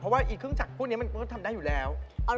เพราะว่าเครื่องจักรพวกนี้มันก็ทำได้อยู่แล้ว